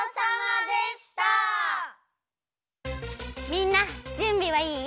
みんなじゅんびはいい？